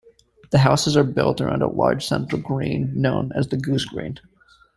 The houses are built around a large central green, known as the Goosegreen.